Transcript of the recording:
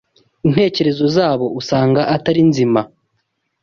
intekerezo zabo usanga atari nzima